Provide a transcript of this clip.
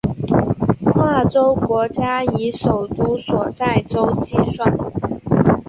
跨洲国家以首都所在洲计算。